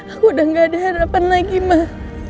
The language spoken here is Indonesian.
aku udah gak ada harapan lagi mah